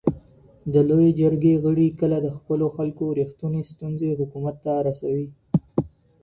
د لویې جرګي غړي کله د خپلو خلګو رښتيني ستونزي حکومت ته رسوي؟